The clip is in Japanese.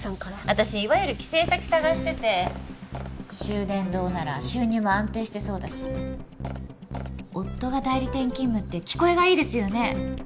私いわゆる寄生先探してて秀伝堂なら収入も安定してそうだし夫が代理店勤務って聞こえがいいですよね？